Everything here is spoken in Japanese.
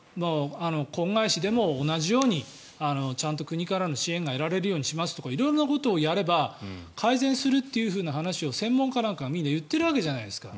婚外子でも同じようにちゃんと国からの支援が受けられるようにしますとか色々なことをやれば改善するという話を専門家なんかがみんな言っているわけじゃないですか。